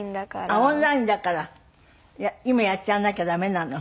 あっオンラインだから今やっちゃわなきゃ駄目なの？